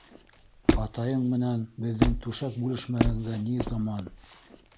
Атайың менән беҙҙең түшәк бүлешмәгәнгә ни заман!